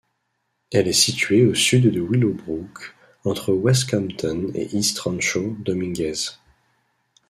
Elle est située au sud de Willowbrook, entre West Compton et East Rancho Dominguez.